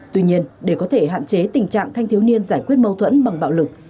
tuy nhiên để có thể hạn chế tình trạng thanh thiếu niên giải quyết mâu thuẫn bằng bạo lực